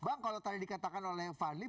bang kalau tadi dikatakan oleh fadli